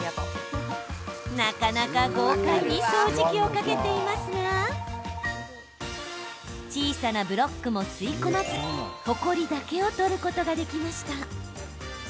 なかなか豪快に掃除機をかけていますが小さなブロックも吸い込まずほこりだけを取ることができました。